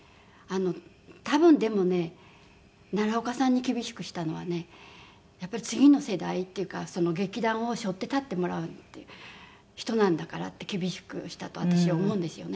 多分でもね奈良岡さんに厳しくしたのはねやっぱり次の世代っていうか劇団を背負って立ってもらう人なんだからって厳しくしたと私は思うんですよね。